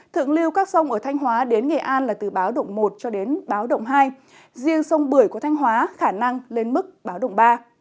thượng lưu các sông ở thanh hóa đến nghệ an là từ báo động một cho đến báo động hai riêng sông bưởi của thanh hóa khả năng lên mức báo động ba